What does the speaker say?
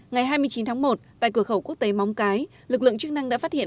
ngày hai mươi chín tháng một tại cửa khẩu quốc tế móng cái lực lượng chức năng đã phát hiện